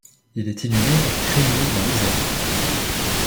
Il est inhumé à Crémieu dans l'Isère.